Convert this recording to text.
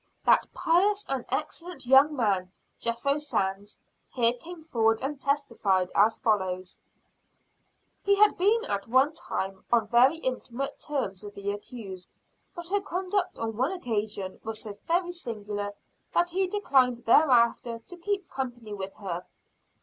That "pious and excellent young man," Jethro Sands, here came forward and testified as follows: He had been at one time on very intimate terms with the accused; but her conduct on one occasion was so very singular that he declined thereafter to keep company with her.